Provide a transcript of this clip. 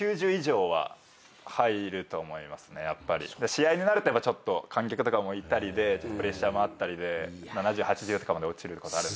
試合になると観客とかもいたりでプレッシャーもあったりで７０８０とかまで落ちることある。